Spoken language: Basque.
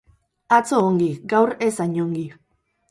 Atzo ongi, gaur ez hain ongi.